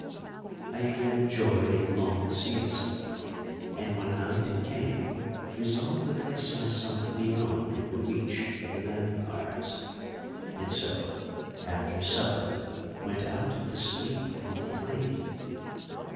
I again enjoyed a long siesta, and when night came resolved to place myself beyond the reach of the vampires, and so, after supper, went out to sleep on the plain.